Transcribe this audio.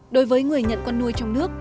đối với người nhận con nuôi trong nước